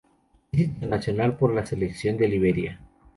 Es Internacional por la selección de Liberia.